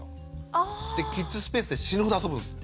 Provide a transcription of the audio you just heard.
あ！でキッズスペースで死ぬほど遊ぶんです。